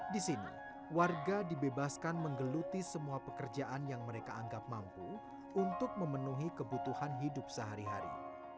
di sini warga dibebaskan menggeluti semua pekerjaan yang mereka anggap mampu untuk memenuhi kebutuhan hidup sehari hari